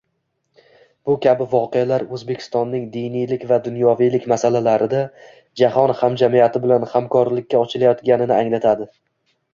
Bu kabi voqealar Oʻzbekistonning diniylik va dunyoviylik masalalarida jahon hamjamiyati bilan hamkorlikka ochilayotganini anglatadi.